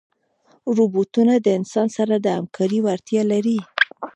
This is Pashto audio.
روبوټونه د انسان سره د همکارۍ وړتیا لري.